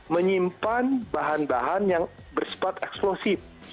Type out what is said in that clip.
menyimpan bahan bahan yang bersifat eksplosif